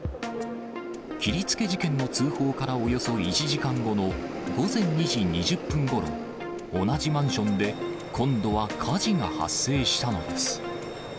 切りつけ事件の通報からおよそ１時間後の午前２時２０分ごろ、同じマンションで、今度は火事が発生したのです。